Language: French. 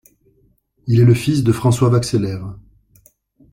Il est le fils de François Vaxelaire.